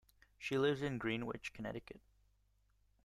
She lives in Greenwich, Connecticut.